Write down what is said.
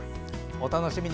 お楽しみに！